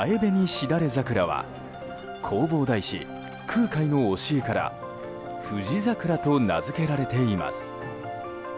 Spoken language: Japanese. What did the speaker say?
しだれ桜は弘法大師、空海の教えから不二桜と名付けられています。